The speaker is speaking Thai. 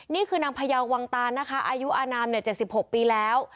นี่คือนางพยาววังตานนะคะอายุอนาม๗๖ปีแล้ว